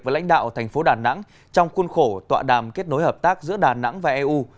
với lãnh đạo thành phố đà nẵng trong khuôn khổ tọa đàm kết nối hợp tác giữa đà nẵng và eu